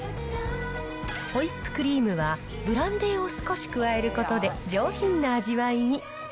ホイップクリームはブランデーを少し加えることで、上品な味わいに。